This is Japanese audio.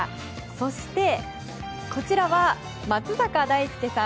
そして、こちらは松坂大輔さん。